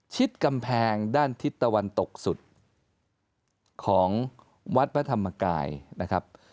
กำแพงด้านทิศตะวันตกสุดของวัดพระธรรมกายนะครับ